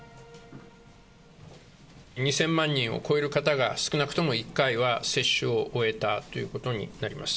２０００万人を超える方が少なくとも１回は接種を終えたということになります。